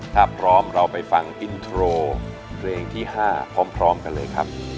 ถ้าพร้อมเราไปฟังอินโทรเพลงที่๕พร้อมกันเลยครับ